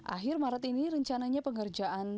akhir maret ini rencananya pengerjaan